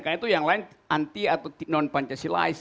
karena itu yang lain anti atau non pancasilais